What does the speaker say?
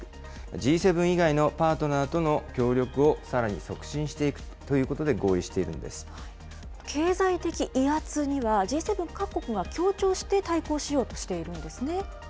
Ｇ７以外のパートナーとの協力をさらに促進していくということで経済的威圧には、Ｇ７各国が協調して対抗しようとしているんですね。